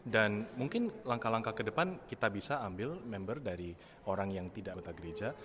dan mungkin langkah langkah ke depan kita bisa ambil member dari orang yang tidak anggota gereja